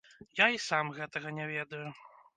Я і сам гэтага не ведаю.